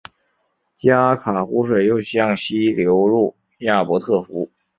基阿卡湖水又向西流入亚伯特湖。